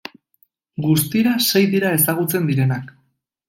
Guztira sei dira ezagutzen direnak.